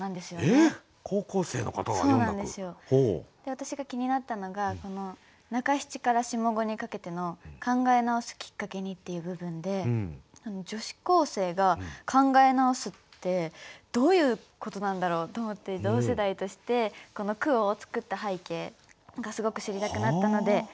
私が気になったのが中七から下五にかけての「考え直すきっかけに」っていう部分で女子高生が考え直すってどういうことなんだろうと思って同世代としてこの句を作った背景がすごく知りたくなったので。